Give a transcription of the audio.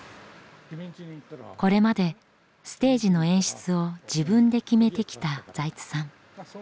これまでステージの演出を自分で決めてきた財津さん。